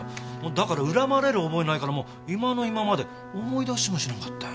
だから恨まれる覚えないからもう今の今まで思い出しもしなかったよ。